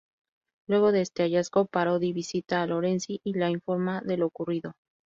Luego de este hallazgo, Parodi visita a Lorenzi y le informa de lo ocurrido.